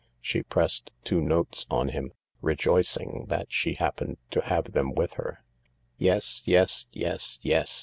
She pressed two notes on him, rejoicing that she happened to have them with her, " Yes, yes, yes, yes